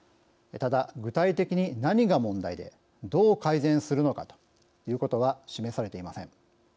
ただ、具体的に何が問題でどう改善するのかということは示されていません。